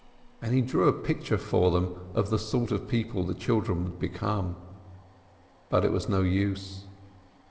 And he drew a picture for them of the sort of people the children would become. But it was no use.